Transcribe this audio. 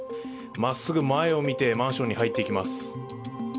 まっすぐ前を見て、マンションに入っていきます。